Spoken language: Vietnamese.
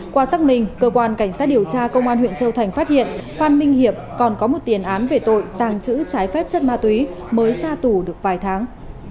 qua xác minh cơ quan cảnh sát điều tra công an huyện châu thành phát hiện phan minh hiệp còn có một tiền án về tội tàng trữ trái phép chất ma túy mới ra tù được vài tháng